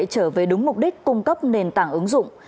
trở về đúng mục đích cung cấp nền tảng ứng dụng